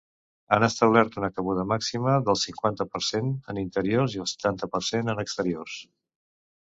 Han establert una cabuda màxima del cinquanta per cent en interiors i el setanta per cent en exteriors.